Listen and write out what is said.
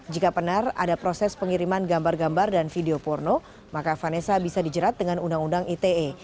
jika benar ada proses pengiriman gambar gambar dan video porno maka vanessa bisa dijerat dengan undang undang ite